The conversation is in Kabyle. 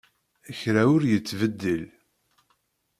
Kra ur yettbeddil.